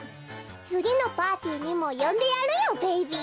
つぎのパーティーにもよんでやるよベイビー。